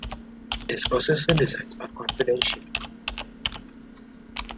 These processor designs are confidential.